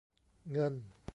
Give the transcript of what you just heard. เงิน